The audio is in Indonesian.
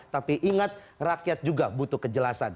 tapi ingat rakyat juga butuh kejelasan